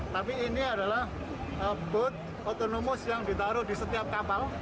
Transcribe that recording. tapi ini adalah booth autonomous yang ditaruh di setiap kapal